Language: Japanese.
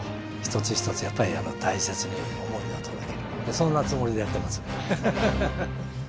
そんなつもりでやってます。